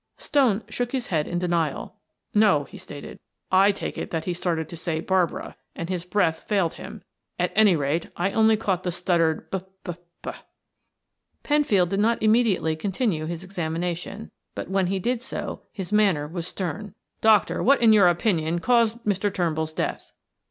Stone shook his head in denial. "No," he stated. "I take it that he started to say 'Barbara,' and his breath failed him; at any rate I only caught the stuttered 'B b b.'" Penfield did not immediately continue his examination, but when he did so his manner was stern. "Doctor, what in your opinion caused Mr. Turnbull's death?"